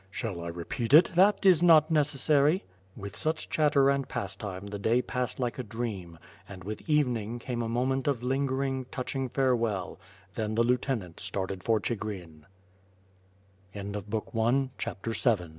"Shall I repeat it?" "That is not necessary." With such chatter and pastime the day passed like a dream, and with evening came a moment of lingering, touching fare .well, then the lieutenant started for Chigrin.